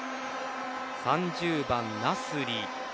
３０番、ナスリ。